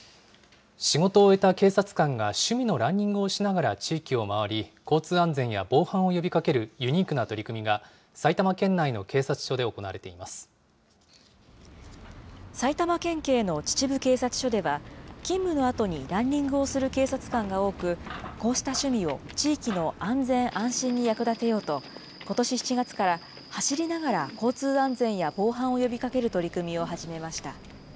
仕事を終えた警察官が趣味のランニングをしながら地域を回り、交通安全や防犯を呼びかけるユニークな取り組みが、埼玉県内の警察埼玉県警の秩父警察署では、勤務のあとにランニングをする警察官が多く、こうした趣味を地域の安全・安心に役立てようと、ことし７月から、走りながら交通安全や防犯を呼びかける取り組みを始めました。